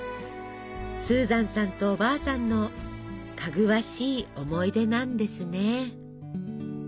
スーザンさんとおばあさんのかぐわしい思い出なんですね。